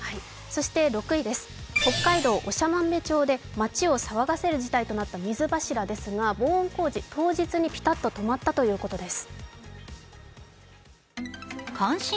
そして６位です、北海道長万部町で町を騒がせることになった水柱ですが防音工事当日にピタっと止まったということです。